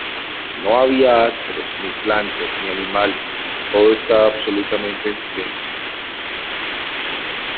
No había astros, ni plantas, ni animales; todo estaba absolutamente en silencio.